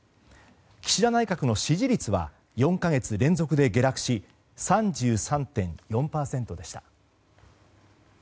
岸田内閣の支持率は４か月連続で下落し３３．４％でした。